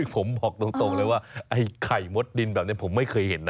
ผมบอกตรงเลยว่าไอ้ไข่มดดินแบบนี้ผมไม่เคยเห็นนะ